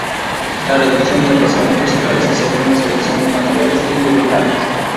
La reducción del rozamiento se realiza según la selección de materiales y lubricantes.